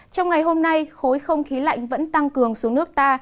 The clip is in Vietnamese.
trong ngày hôm nay khối không khí lạnh vẫn tăng cường xuống nước ta